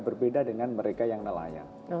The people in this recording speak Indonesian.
berbeda dengan mereka yang nelayan